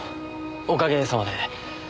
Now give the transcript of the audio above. おかげさまで。